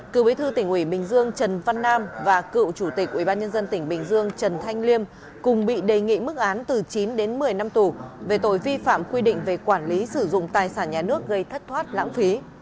cựu bí thư tỉnh ủy bình dương trần văn nam và cựu chủ tịch ubnd tỉnh bình dương trần thanh liêm cùng bị đề nghị mức án từ chín đến một mươi năm tù về tội vi phạm quy định về quản lý sử dụng tài sản nhà nước gây thất thoát lãng phí